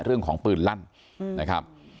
เรื่องของปืนลั่นนะครับ